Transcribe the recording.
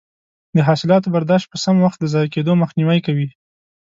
د حاصلاتو برداشت په سم وخت د ضایع کیدو مخنیوی کوي.